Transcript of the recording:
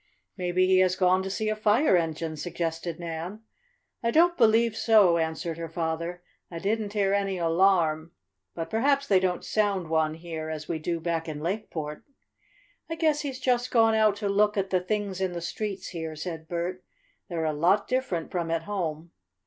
"Maybe he has gone to see a fire engine," suggested Nan. "I don't believe so," answered her father. "I didn't hear any alarm, but perhaps they don't sound one here as we do back in Lakeport." "I guess he's just gone out to look at the things in the streets here," said Bert. "They're a lot different from at home."